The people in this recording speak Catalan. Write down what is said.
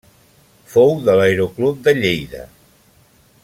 Fou de l'Aeroclub de Lleida.